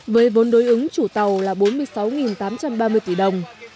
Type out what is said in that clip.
với vốn đối ứng chủ tàu là bốn mươi sáu tám trăm ba mươi tỷ đồng